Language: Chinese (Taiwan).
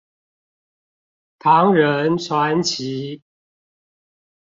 唐人傳奇